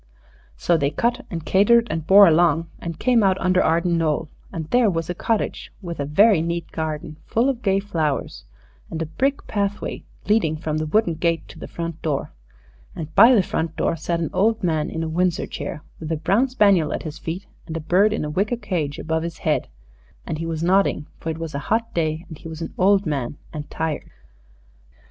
So they cut and catered and bore along, and came out under Arden Knoll, and there was a cottage, with a very neat garden full of gay flowers, and a brick pathway leading from the wooden gate to the front door. And by the front door sat an old man in a Windsor chair, with a brown spaniel at his feet and a bird in a wicker cage above his head, and he was nodding, for it was a hot day, and he was an old man and tired.